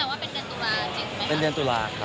แต่ว่าเป็นเดือนตุลาจริงไหม